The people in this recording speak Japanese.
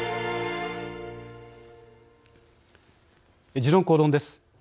「時論公論」です。